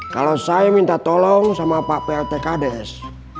kalau saya minta tolong sama pak plt kds